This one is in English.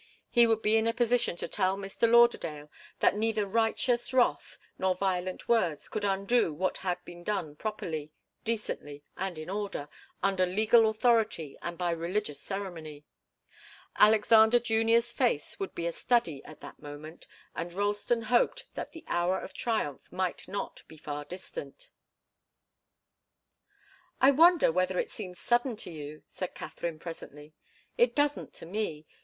He would be in a position to tell Mr. Lauderdale that neither righteous wrath nor violent words could undo what had been done properly, decently and in order, under legal authority, and by religious ceremony. Alexander Junior's face would be a study at that moment, and Ralston hoped that the hour of triumph might not be far distant. "I wonder whether it seems sudden to you," said Katharine, presently. "It doesn't to me.